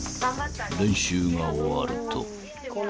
［練習が終わると］